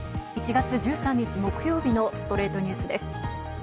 １月１３日、木曜日の『ストレイトニュース』です。